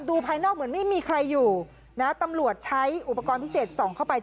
ภายนอกเหมือนไม่มีใครอยู่นะตำรวจใช้อุปกรณ์พิเศษส่องเข้าไป